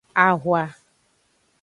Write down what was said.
Ahwa.